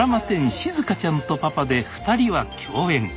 「しずかちゃんとパパ」で２人は共演。